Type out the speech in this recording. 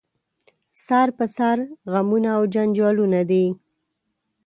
سر په سر غمونه او جنجالونه دي